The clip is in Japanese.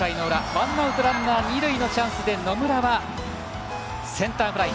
ワンアウト、ランナー二塁のチャンスで野村はセンターフライ。